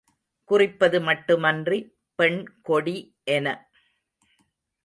குறிப்பது மட்டுமன்றி, பெண்கொடி என